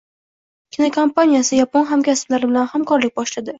Kinokompaniyasi yapon hamkasblari bilan hamkorlik boshladi